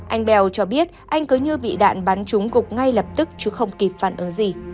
anh bell cho biết anh cứ như bị đạn bắn chúng gục ngay lập tức chứ không kịp phản ứng gì